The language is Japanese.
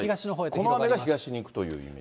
この雨が東に行くというイメージ。